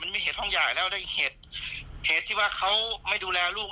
มีเหตุห้องใหญ่แล้วด้วยเหตุที่ว่าเขาไม่ดูแลลูก